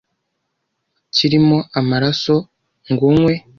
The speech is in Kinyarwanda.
kirimo amaraso ngo nywe……..